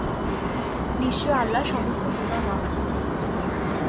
নিশ্চয় আল্লাহ সমস্ত গোনাহ মাফ করবেন।